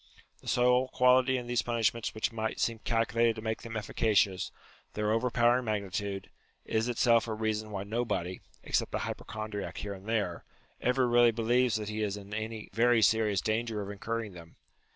The sole quality in these punishments which might seem calculated to make them efficacious, their over powering magnitude, is itself a reason why nobody (except a hypochondriac here and there) ever really believes that he is in any very serious danger of incurring them.